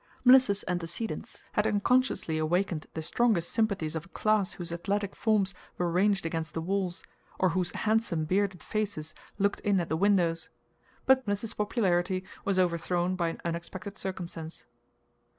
Mliss's antecedents had unconsciously awakened the strongest sympathies of a class whose athletic forms were ranged against the walls, or whose handsome bearded faces looked in at the windows. But Mliss's popularity was overthrown by an unexpected circumstance.